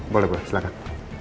boleh boleh silahkan